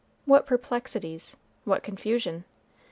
what perplexities, what confusion!